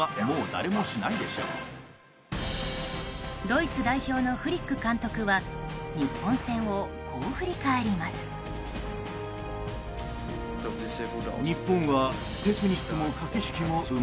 ドイツ代表のフリック監督は日本戦をこう振り返ります。